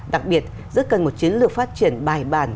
đặc biệt rất cần một chiến lược phát triển bài bản